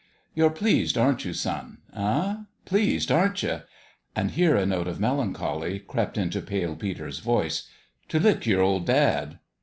You're pleased, aren't you, son ? Eh ? Pleased, aren't you ?" and here a note of melancholy crept into Pale Peter's voice " to lick your old dad."